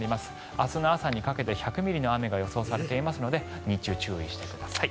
明日の朝にかけて１００ミリの雨が予想されていますので日中、注意してください。